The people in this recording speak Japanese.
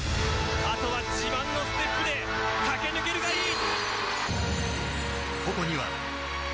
あとは自慢のステップで駆け抜けるがいい！